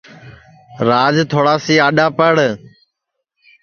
راج تھوڑاسی اڈؔا پڑ